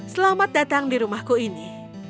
selamat datang di rumahku ini